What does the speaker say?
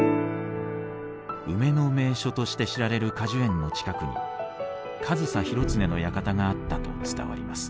梅の名所として知られる果樹園の近くに上総広常の館があったと伝わります。